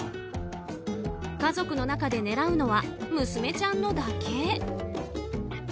家族の中で狙うのは娘ちゃんのだけ。